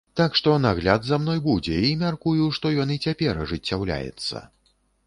Так што, нагляд за мной будзе і, мяркую, што ён і цяпер ажыццяўляецца.